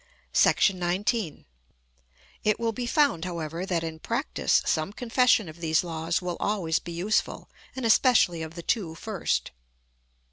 § XIX. It will be found, however, that in practice some confession of these laws will always be useful, and especially of the two first.